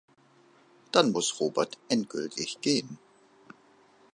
Dann muss Robert endgültig gehen.